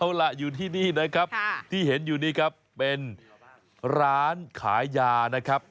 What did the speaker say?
เอาล่ะอยู่ที่นี่นะครับที่เห็นอยู่นี่ครับเป็นร้านขายยานะครับ